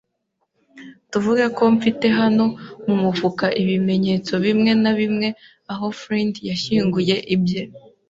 Tuvuge ko mfite hano mu mufuka ibimenyetso bimwe na bimwe aho Flint yashyinguye ibye